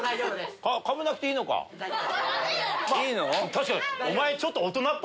確かに。